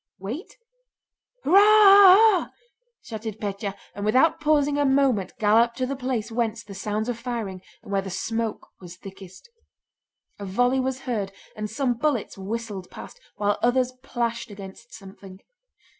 "Wait?... Hurrah ah ah!" shouted Pétya, and without pausing a moment galloped to the place whence came the sounds of firing and where the smoke was thickest. A volley was heard, and some bullets whistled past, while others plashed against something.